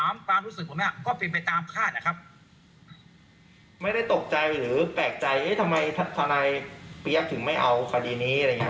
ไม่ได้ตกใจหรือแปลกใจทำไมทนายเปี๊ยบถึงไม่เอาคดีนี้